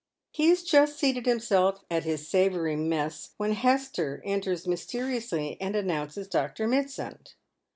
He has just seated himself at his saroury mess, when Hest« entei 8 mysteriously and announces Dr. Mitsand.